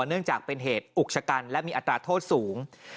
เนื่องจากเป็นเหตุอุกชะกันและมีอัตราโทษสูง